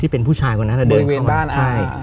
ที่เป็นผู้ชายคนนั้นอะเดินเข้ามาบริเวณบ้านอ่ะใช่